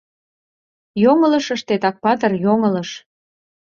Йоҥылыш ыштет, Акпатыр, йоҥылыш.